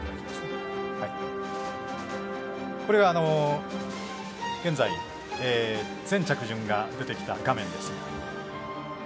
これが現在全着順が出てきた画面です。